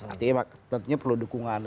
artinya tentunya perlu dukungan